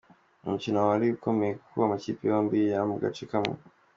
Umukino wari ukomeye kuko amakipe yombi aba mu gace kamwe.